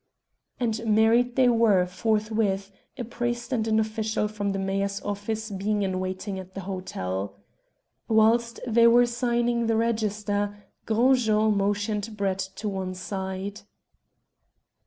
And married they were forthwith, a priest and an official from the Mayor's office being in waiting at the hotel. Whilst they were signing the register Gros Jean motioned Brett to one side.